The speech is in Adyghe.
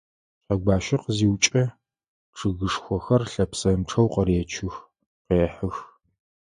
Шъхьэгуащэ къызиукӏэ, чъыгышхохэр лъэпсэнчъэу къыречых, къехьых.